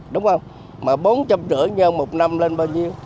đúng không mà bốn trăm linh rưỡi nhau một năm lên bao nhiêu